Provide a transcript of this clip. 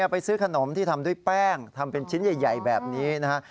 ไปซื้อขนมที่ทำด้วยแป้งทำเป็นชิ้นใหญ่แบบนี้นะฮะ